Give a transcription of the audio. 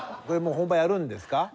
これもう本番やるんですか？